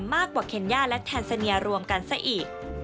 มากกว่าเคนย่าและแทนซาเนียรวมกันซะอีก